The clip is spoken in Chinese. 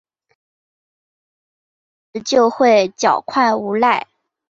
李继韬少年时就狡狯无赖。